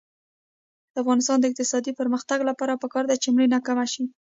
د افغانستان د اقتصادي پرمختګ لپاره پکار ده چې مړینه کمه شي.